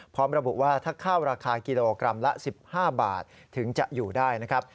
พร้อมระบุว่าถ้าข้าวราคากิโลกรัมละ๑๕บาทถึงจะอยู่ได้นะครับ